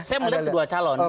saya melihat kedua calon